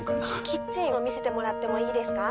キッチンを見せてもらってもいいですか？